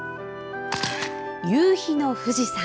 夕日の富士山。